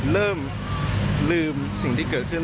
เริ่มลืมสิ่งที่เกิดขึ้น